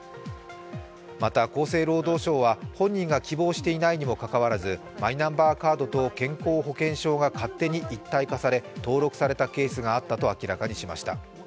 また、厚生労働省は、本人が希望していないにもかかわらずマイナンバーカードと健康保険証が勝手に一体化され登録されたケースがあったと明らかにしました。